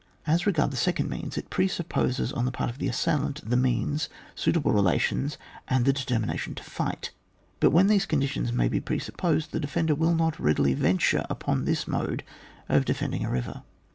As regards the second means, it presupposes on the part of the assail ant the means, suitable relations, and the determination to fight ; but when these conditions may be presupposed, the de fender will not readily venture upon this mode of defending a river.